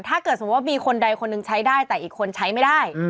ถ้าเกิดมีคนใดคนหนึ่งใช้ได้แต่อีกคนใช้ไม่ได้